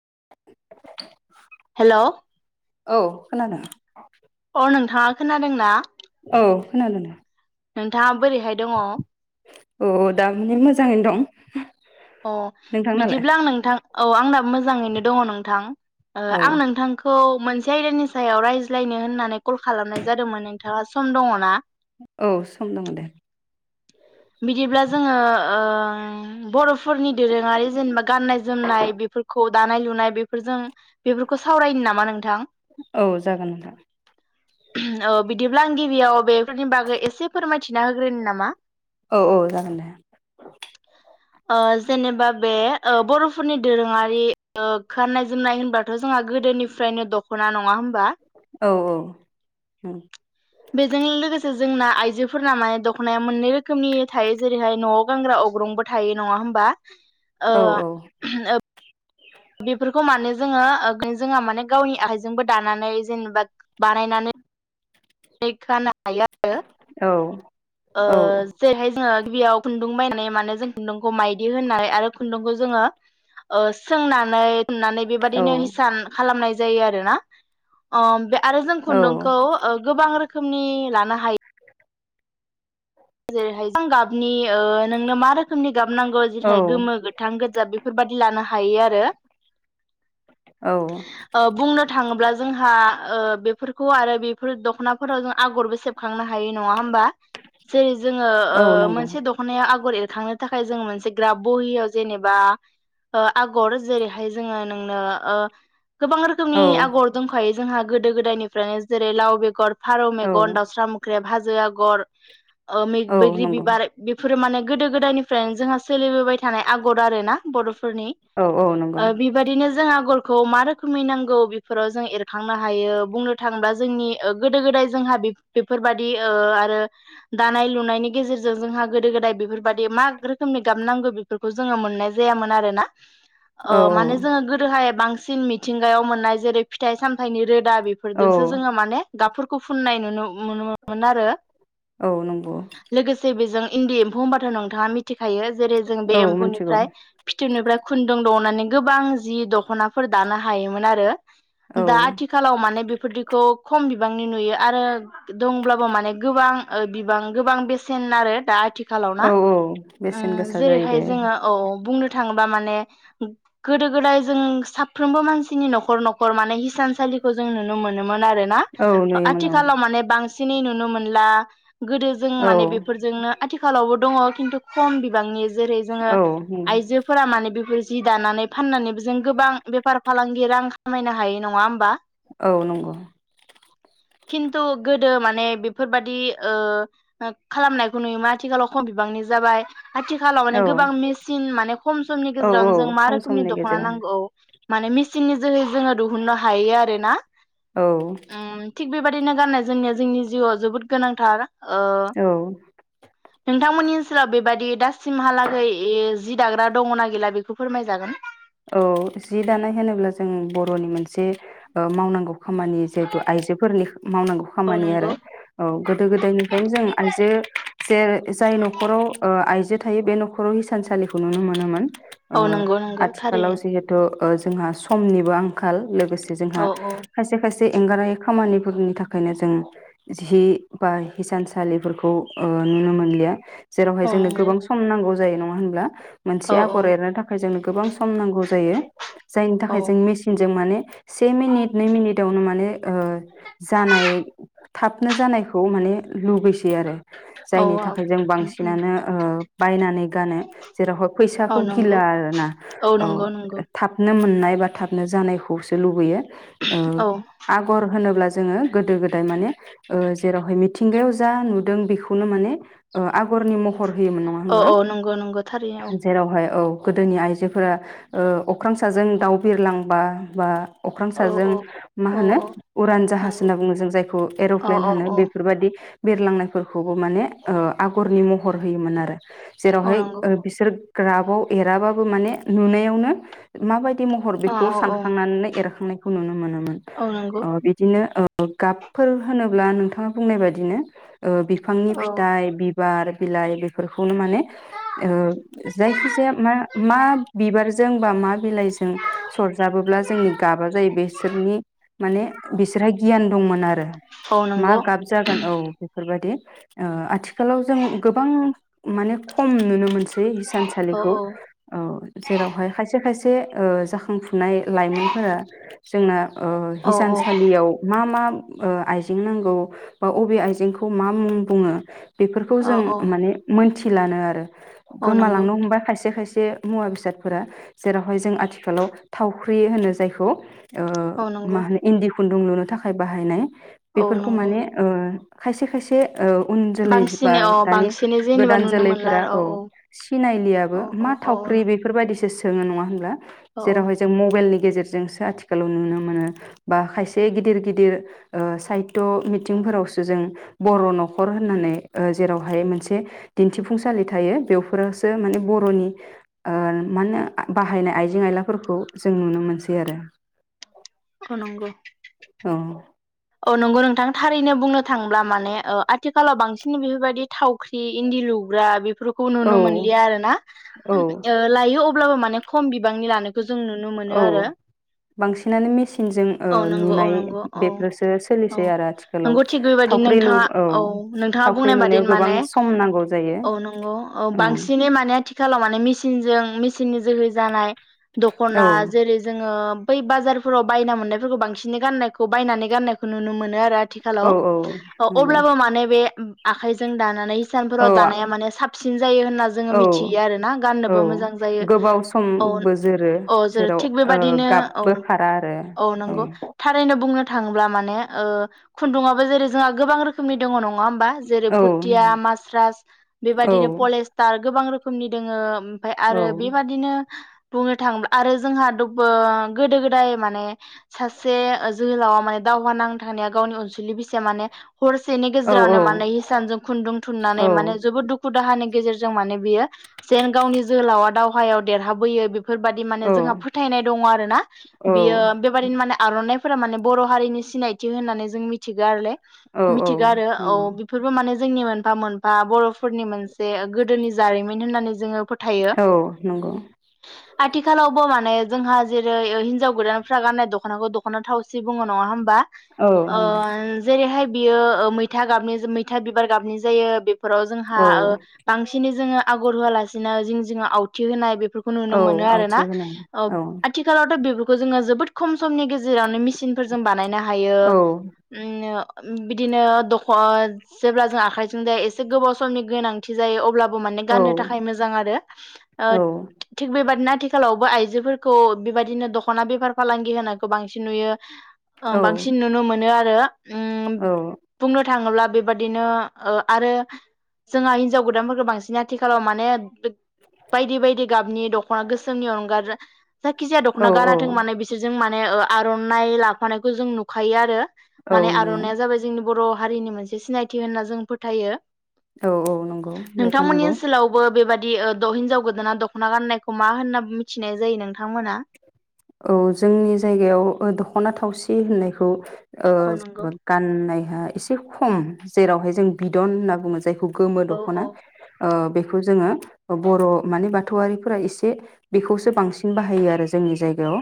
[inaudible] हेल' औ खोनादों अ नोंथाङा खोनादोंना? औ खोनादों नोंथाङा बोरैहाय दङ? औ दा माने मोजाङैनो दं अ नोंथांनालाय बिदिब्ला आं नोंथां औ आंनाबो मोजाङैनो दङ नोंथां ओ औ आं नोंथांखौ मोनसे आयदानि सायाव रायज्लायनो होननानै कल खालामनाय जादोंमोन नोंथाङा सम दङ ना? औ सम दङ दे। बिदिब्ला जोङो ओ बर'फोरनि दोरोङारि जेनेबा गाननाय जोमनाय बेफोरखौ दानाय लुनाय बेफोरजों बेफोरखौ सावरायनो नामा नोंथां? औ जागोन नोंथां ओ बिदिब्ला आं गिबियाव बे फोरनि बागै एसे फोरमाय थिना होग्रोनि नामा? औ औ जागोन दे ओ जेनेबा बे ओ बर' फोरनि दोरोङारि ओ गाननाय जोमनाय होनबाथ' जोंहा गोदोनिफ्रायनो दख'ना नङा होन बा औ बेजों लोगोसे जोंना आइजोफोर ना माने दख'नाया मोननै रो रोखोमनि थायो जेरैहाय न'आव गानग्रा अग्रंबो थायो नङा होमबा? ओ औ [unintelligible] बेफोर खौ मानो जोङो ओ जोंहा माने गावनि आखाइजोंबो दानानै जेनेबा बानायनानै खानो हायो आरो ओ जेरैहाय जोङो गिबियाव खुन्दुं बायनानै माने जों खुन्दुंखौ मायदि होनाय आरो खुन्दुंखौ जोङो ओ सोंनानै नानै बेबायदिनो हिसान खालामनाय जायो आरोना अ बे आरो जों खुन्दुंखौ ओ बां रोखोमनि लानो हाय जेरैहाय [inaudible] गाबनि ओ नोंनो मा रोखोमनि गाबनांगौ औ जेरहाय गोमो गोथां गोजा बे फोरबादि लानो हायो आरो। औ ओ बुंनो थाङोब्ला जोंहा ओ बेफोर खौ आरो बेफोर दख'ना फोराव जों आगरबो सेबखांनो हायो। नङा होमबा? जेरै- जोङो ओ औ नंगौ मोनसे दख'नाया आगर एर थांनो थाखाय जोङो मोनसे ग्राब बहियाव जेनेबा ओ आगर जेरैहाय जोङो नोंनो ओ गोबां रोखोमनि औ आगर दंखायो। जोंहा गोदो गोदायनिफ्रायनो जेरै लाव बेगर फारौ औ मेगन दाउस्रा मोख्रेब हाजो आगर ओ मे औ बैग्रि नंगौ बिबार बेफोरो माने गोदो गोदायनिफ्रायनो जोंहा सोलिबोबाय थानाय आगर आरो ना बर'फ फोरनि औ औ नंगौ ओ बिबायदिनो जोंहा आगरखौ मा रोखोमै नांगौ बेफोराव जों एरखांनो हायो बुंनो थाङोबा जोंनि ओ गोदो गोदाय जोंहा बे बेफोरबायदि ओ आरो दानाय लुनायनि गेजेरजों जोंहा गोदो गोदाय बेफोरबायदि मा रोखोमनि गाबनांगो बेफोरखौ जोङो मोननाय जायामोन आरोना। अ औ माने जोङो गोदोहाय बां सिन मिथिंगायाव मोननाय जेरै फिथाइ सामथाइनि रोद दा औ बेफोरजोंसो जोङो माने गाबफोर खौ फुननाय नुनो मोनोमोन आरो। औ नंगौ। लोगोसे बेजों इन्दि एम्फौ होनबाथ' नोंथाङा मिथि खायो जेरै जों बे औ मिथिगौ एम्फौनिफ्राय फि थोबनिफ्राय खुन्दुं दिहुननानै गोबां जि दख'नाफोर दानो हायोमोन आरो। औ दा आथिखालाव माने बेफोरदिखौ खम बि बांनि नुयो आरो दंब्लाबो माने गोबां ओ बि बां गोबां बेसेन आरो दा आथि खालाव ना औ औ बेसेन उम गोसा जायो बे जेरैहाय जोङो औ बुंनो थाङोबा माने गोदो गोदाय जों साफ्रोमबो मानसिनि नखर नखर माने हिसानसालिखौ जों नुनो मोनो मोन आरोना औ नुयोमोन आथिखालाव औ माने बांसिन सिन नुनो मोनला गोदो जों माने औ बेफोरजोंनो आथिखालावबो दङ खिन्थु खम बिबांनि जेरै जोङो औ नंगौ आइजोफोरा माने बेफोर जि दानानै फाननानैबो जों गोबां बेफार फालांगि रां खामायनो हायो नङा होमबा औ नंगौ खिन्थु गोदो माने बेफोरबादि ओ ओ खालामनायखौ नुयो मा आथिखालाव खम बिबांनि जाबाय आथिखालाव औ माने गोबां मेचिन माने खम समनि औ औ गेजेरावनो जों मा खम रोखोमनि समनि दख'ना गेजेराव नांगौ माने मिचिंनि जोहै जोङो दहुननो हायो आरो ना औ बेबादिनो गाननाय जोमनाया जोंनि जिउआव जोबोद गोनां थार औ नोंथांमोननि ओनसोलाव बेबायदि दासिमहालागै ओ जि दाग्रा दङना गैला बेखौ फोरमाय जागोन औ जि दानाय होनोब्ला जों बर'नि मोनसे ओ मावनांगौ खामानि जिहेथु आइजोफोरनि मावनांगौ औ खामानि आरो नंगौ औ गोदो गोदायनिफ्रायनो जों आइजो जे जाय नखराव ओ आइजो थायो बे नखराव हिसानसालिखौ नुनो मोनोमोन औ नंगौ नंगौ था खालाव जिहेथु ओ जोंहा समनिबो आंखाल लोगोसे औ जोंहा औ खायसे खायसे जे एंगारायै खामानिफोरनि थाखायनो जों जि बा हिसानसालिफोरखौ ओ नुनो मोनलिया जेरावहाय औ जोंनो नंगौ गोबां सम नांगौ जायो नङा होनब्ला औ मोनसे आगर एरनो थाखाय जोंनो गोबां सम नांगौ जायो जायनि औ थाखाय जों मेसिनज जों माने से मिनिट नै मिनिटावनो माने ओ जानाय थाबनो जानायखौ माने लुबैसै आरो औ जायनि औ थाखाय जों उम उम बांसिनानो ओ बायनानै गानो जेरावहाय फैसाखौ औ नंगौ गिला आरोना औ नंगौ नंगौ थाबनो मोन नाय एबा थाबनो जानायखौसो लुबैयो ओ औ आगर होनोब्ला जोङो गोदो गोदाय माने ओ जेरावहाय मिथिंगायाव जा नुदों बेखौनो माने ओ आगरनि महर हर होयोमोन नङा औ होनबा औ नंगौ नंगौ थारैनो जेरावहाय औ गोदोनि आइजो फोरा ओ अख्रांसाजों दाउ बिरलांबा बा अख्रां औ साजों औ मा औ होनो उरान जाहाज नंगौ होनना बुङो जों जायखौ औ एर'प्लेन औ होनो औ बेफोरबादि बिरलांनायफोरखौबो माने ओ आगरनि महर होयोमोन आरो औ जेरावहाय नंगौ ओ बिसोर ग्राफआव एराबाबो माने नुनायावनो माबायदि महर औ बेखौ औ औ सानखांनानै एरखांनाय खौ नुनो मोनो मोन औ नंगौ ओ बिदिनो ओ गाबफोर होनोब्ला नोंथाङा बुंनाय बायदिनो ओ बिफांनि औ फिथाइ बि बार बिलाइ बेफोरखौनो माने ओ जायखि जाया मा मा बिबारजों बा मा बिलाइजों सरजाबोब्ला जोंनि गाबा जायो बिसोरनि माने बिसोरहा गियान दंमोन आरो औ मा नंगौ गाब जागोन औ बेफोरबायदि ओ आ थिखालाव जों गोबां माने खम नुनो मोनसै औ हिसानसालिखौ औ औ जेरावहाय खायसे खायसे ओ जाखांफुनाय लाइमोनफोरा जोंना ओ औ हिसानसालियाव मा मा ओ आइजें नांगौ बा बबे आइजेंखौ मा मुं बुङो बेफोरखौ औ जों औ माने मोन मिथिलानो आरो औ नंगौ गोमालांनो हमबाय खायसे खायसे बे मुवा बे सादफोरा जेरावहाय जों आथिखालाव थावख्रि होनो जायखौ ओ औ मा नंगौ होनो इनदि खुनदुं लुनो थाखाय बाहायनाय औ बेफोरखौ नंगौ माने ओ खायसे खायसे औ उन जोलै बा बांसिनै अ दानि बांसिनै जेनेबा गोदान नुनो मोनला जोलैफोरा औ सिनायलियाबो औ औ मा औ थावख्रि बे [unintelligible] सोङो नङा होनब्ला औ जेरावहय जों मबाइलनि गेजेरजोंसो आथिखालाव नुनो मोनो बा खायसे गिदिर गिदिर ओ साहित्य' मिथिंफोरावसो जों बर' न'खर होननानै ओ जेरावहाय मोनसे दिनथिफुंसालि थायो बेयावफोरसो माने बर'नि ओ मानो बाहायनाय आइजें आयलाफोरखौ जों नुनो मोनसै आरो अ नंगौ औ औ नंगौ नोंथां थारैनो बुंनो थांब्ला माने ओ आथिखालाव बांसिन बेफोरबायदि थावख्रि इनदि लुग्रा बेफोरखौ औ नुनो मोनलिया आरो ना औ ओ लायो अब्लाबो माने खम बि औ बांसिनानो मेसिनजों ओ औ नंगौ औ लुनाय नंगौ औ बेफोरसो औ सोलिसै आरो आथिखालाव नंगौ थिग बेबायादिनो थावख्रि लु नोंथाङा औ नोंथाङा थावख्रि बुंनाय बादि लुनायाव गोबां माने सम नांगौ जायो औ नंगौ औ बांसिनै माने आथिखालाव माने मेसिनजों मेचिननि जोहै जानाय दख'ना औ जेरै जोङो बै बाजारफोराव बायना मोननायफोरखौ बांसिन गाननायखौ बायनानै गाननायखौ खौ नुनो मोनो आरो आथिखालाव औ औ नंगौ अब्लाबो माने बे आखाइजों दानानै औ सानफोराव दानाया माने साबसिन जायो होनना जोङो औ मिथियो आरोना औ गाननोबो मोजां जायो गोबाव औ समबो जोरो औ ज जेराव थिक ओ बेबादिनो औ गाबबो खारा आरो औ नंगौ थारैनो बुंनो थांब्ला माने खुन्दुङाबो जेरै जोंहा गोबां रोखोमनि दङ नङा नङा होनबा जै औ भुथिया मासरास औ बेबायदिनो पलेसटार गोबां रोखोमनि रोखोमनि दोङो उम ओमफाय औ आरो बेबादिनो बुंनो थाङोब्ला आरो जोंहा दोबो गोदो गोदाय माने सासे जोहोलावा माने दावहा नांनो थांनाया गावनि अनसुलि बिसिया माने हरसेनि औ गेजेरावनो माने हिसानजों खुन्दुं थुननानै माने जोबोद दुखु दाहानि गेजेरजों माने बियो जेन गावनि जोहोलावा दावहायाव देरहाबोयो बेफोरबायदि माने जोंहा फोथायनाय दङ आरोना औ बियो बेबायदिनो माने आर'नाइ माने बर' हारिनि सिनायथि होननानै जों मिथिगौ आरोलाय औ औ मिथिगो आरो औ नंगौ बेफोरबो माने जोंनि मोनफा मोनफा बर'फोरनि मोनसे गोदोनि जारिमिन होननानै जोङो फो थायो औ नंगौ आथिखालावबो माने जोंहा जेरै हिनजाव गोदानफ्रा गाननाय दख'नाखौ दख'ना थावसि बुङो नङा होनबा? औ ओ नंगौ जेरै हाय बियो मैथा गाबनि मैथा बिबार गाबनि जायो फोराव जोंहा औ ओ बांसिनै जोङो आगर होआलासिनो जिं जिङाव आवथि होनाय बे फोरखौ नुनो औ मोनो आवथि आरोना होनाय औ आथिखालावथ' बे खौ जोङो जोबोद खम समनि गेजेरावनो मेसिन जों बानायनो हायो। हायो औ उम बिदिनो दख' जेब्ला जों आखाइजों जाया एसे गोबाव समनि गोनांथि जायो अब्ला माने गाननो थाखाय मोजां आरो औ थिग बेबादिनो आथिखालावबो आइजोफोरखौ बेबायदिनो दख'ना बेफार फालांगि होनायखौ बांसिन नुयो बांसिन नुनो मोनो आरो आरो उम औ बुंनो थाङोब्ला बेबादिनो ओ आरो जोंहा हिनजाव गोदानफोरखौ बांसिन आथिखालाव माने बायदि बायदि गाबनि दख'ना गोसोमनि अनगा जायखिजाया औ दख'ना औ गानाथों मानो बिसोरजों मान आरनाय ला फानायखौ जों नुखायो आरो औ माने नुयो आर'नाया जाबाय जोंनि बर' हारिनि मोनसे सिनायथि होनना जों फोथायो औ औ नंगौ बेथ' नंगौ बिदि ओ हिनजाव गोदाना दख'ना गाननायखौ मा होनना मिथिनाय जायो नोंथांमोना औ जोंनि जायगायाव दख'ना थावसि होननायखौ ओ औ नंगौ। [unintelligible] गाननाय ओ एसे खम जेरावहाय जों बिदन होनना बुङो जायखौ गोमो औ दख'ना औ ओ बे खौ जौङो बर' माने बाथौआरिफोरा एसे बेखौसो बांसिन बाहायो आरो जोंनि जाय गायाव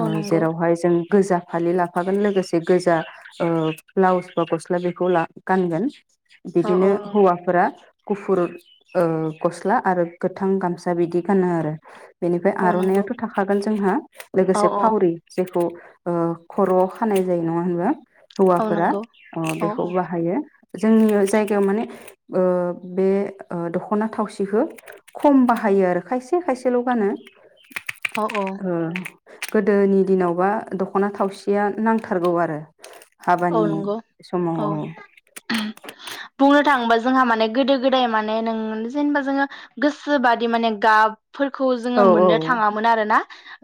औ नंगौ जेरावहाय जों गोजा फालि लाफागोन लोगोसे गोजा ओ ब्लाउस बा गस्ला बेखौ गानगोन औ औ बिदिनो औ हौवाफोरा गुफुर ओ गस्ला आरो गोथां गामसा बिदि गानो आरो बेनिफ्राय औ नंगौ आर'नाइयाथ' थाखागोन जोंहा औ लोगोसे औ फावरि जेखौ ओ खर'आव खानाय जायो नङा होनबा औ हौवाफोरा नंगौ अ औ बेखौ बाहायो जोंनि जायगायाव माने ओ बे ओ दख'ना थावसिखौ खम बाहायो आरो खायसे खायसेल' गानो अ औ ओ गोदोनि दिनावबा दख'ना थावसिया नांथारगौ आरो औ हाबानि नंगौ समाव औ बुंनो थाङोबा जोंहा माने गोदो गोदाय माने नों जेनेबा जोङो गोसोबादि माने गाब फोरखौ औ जोङो औ मोननो थाङामोन आरोना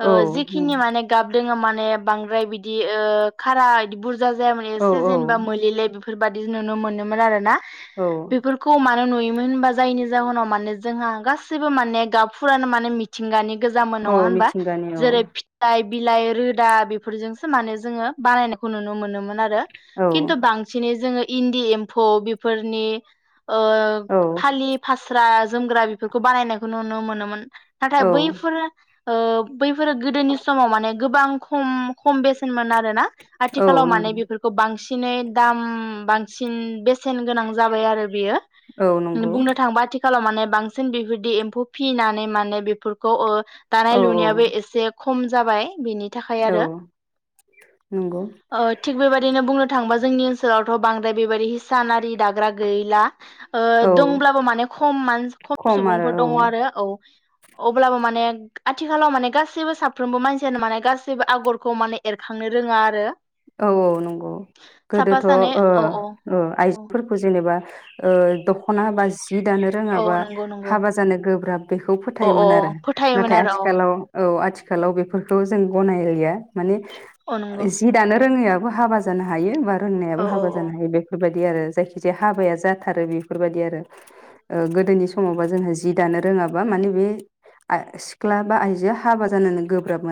ओ औ नंगौ। जिखिनि माने गाब जोङो माने बांद्राय बिदि ओ खारा बिदि बुर जा जायामोन औ एसे जेनेबा मोलेले बेफोर बेफोरबादि नुनो मोनोमोन आरो ना औ बेफोरखौ मानो नुयो मोन होमबा जायनि जाहोनाव माने जोंहा गाससिबो माने गाब फुरानो माने मिथिंगानि गोजामोन औ नङा होनबा मिथिंगानि औ जेरै फिथाइ बिलाइ रोदा बेफोरजोंसो माने जोङो बानायनायखौ नुनो मोनोमोन आरो औ खिन्थु बांसिनै जोङो इन्दि एम्फौ बिफोरनि ओ औ फालि फास्रा जोमग्रा बेफोरखौ बानायनायखौ नुनो मोनोमोन नाथाय औ बैफोरो ओ बैफोरो गोदोनि समाव माने गोबां खम खम बेसेनमोन आरोना औ खालाव माने नंगौ बेफोरखौ बांसि नै दाम बांसिन बे सेेन गोनां जाबाय आरो बियो औ ओ नंगौ बुंनो थांबा थि खालाव माने बांसिन बेफोरदि एम्फौ फिनानै माने बेफोरखौ ओ दानाय औ औ लुनायाबो एसे खम जाबाय बेनि थाखाय आरो औ नंगौ ओ थिग बेबायदिनो बुंनो थां बा जोंनि ओनसोलावथ' बांद्राय बेबायदि हिसान आरि दाग्रा गैला ओ औ दंब्लाबो माने खम मान खम सुबुंफोर दङ आरो औ अब्लाबो माने आथिखालाव माने गासैबो साफ्रोमबो मानसियानो माने गासैबो आगरखौ माने एरखांनो रोङा आरो औ औ नंगौ साफा गोदोथ' ओ सानै औ औ ओ औ आइजोफोरखौ जेनेबा ओ द खना बा जि दानो औ रोङाबा नंगौ नंगौ हाबा जानो गोब्राब बेखौ अ अ फोथायोमोन आरो अ फोथायोमोन नाथाय आरो औ आथिखालाव औ आथि खालाव बेफोरखौ जों गनायलिया माने औ नंगौ जि दानो रोङैयाबो हाबा जानो हायो बा औ रोंनायाबो औ हाबा औ जानो हायो बेफोरबाय दि आरो जायखि जाया हाबाया जाथारो बेफोरबायदि आरो ओ गोदोनि समावबा जोंहा जि दानो रोङाबा माने बे सिख्ला बा आइजोआ हाबा जानोनो गोब्राब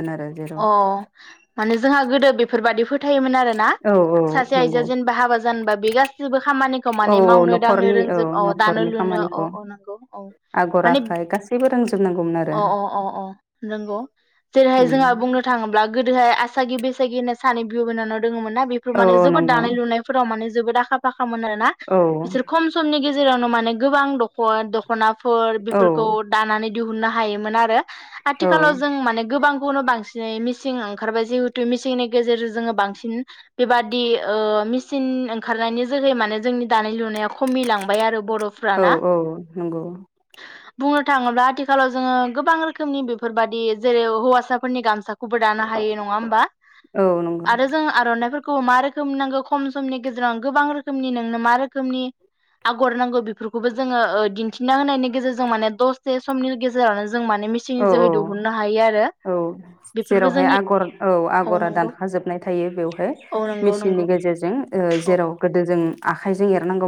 अ माने जोंहा गोदो बे फोरबादि फोथायोमोन आ रोना औ औ सासे आइजोआ नंगौ जेनबा हाबा जानोबा बे गासैबो खामानिखौ औ माने औ मावनो दांनो न'खरनि औ रोंजोब अ दानो न'खरनि लुनो अ खामानिखौ अ नोंगौ औ आगर माने आखाइ गासैबो रोंजोबनांगौमोन आरो अ अ अ अ नोंगौ जेरैहाय उम जोंहा बुंनो थाङोब्ला गोदोहाय आसागि बैसागि होननाय सानै बिब' बिनानाव दङमोन ना बेफोर औ माने जोबोद नंगौ दानाय लुनायफोराव माने जोबोद आखा फा खा मोन आरो ना औ बिसोर खम समनि गे जेरावनो माने गोबां दख' दख'ना फोर औ बेफोरखौ दानानै दिहुननो हायोमोन आरो औ आथिखालाव जों माने गोबांखौनो बां जाय मेसिं ओंखारबाय जिहेतु मिसिंनि गेजेरजों जोङो बांसिन बेबादि ओ मेसिन ओंखारनायनि जोहै माने जोंनि दानाय लुनायाव खमिलांबाय आरो औ बर'फ्राना औ नंगौ बुंनो थाङोब्ला आथिखालाव जोङो गोबां रोखोमनि बेफोरबादि जेरै हौवासाफोरनि गाम खौबो दानो हायो नङा होमबा औ नंगौ आरो जों आर'नाइफोर खौ मा रोखोमनि नांगौ खम समनि गेजेराव गोबां रोखोमनि नोंनो मा रोखोमनि आगर नांगौ बेफोरखौबो जोङो ओ दिनथिना होनायनि गेजेरजों माने दसे समनि गेजेरावनो जों माने मेसिननि औ जोहै औ दिहुननो हायो औ आरो बेफोरबो जेरावहाय जोंनि आगर औ आगरा दानखा जोबनाय थायो बेवहाय औ नंगौ मेसिननि ओ नंगौ गेजेरजों औ जेराव गोदो जों उम आखाइजों एरनांगो